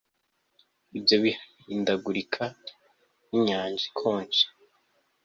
Ibyo bihindagurika nkinyanja ikonje